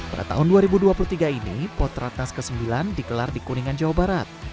pada tahun dua ribu dua puluh tiga ini potratnas ke sembilan dikelar di kuningan jawa barat